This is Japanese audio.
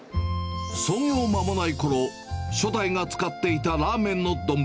創業間もないころ、初代が使っていたラーメンの丼。